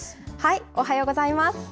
おはようございます。